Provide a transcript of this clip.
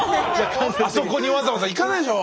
あそこにわざわざ行かないでしょ。